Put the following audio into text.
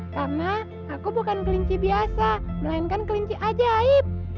karena aku bukan kelinci biasa melainkan kelinci ajaib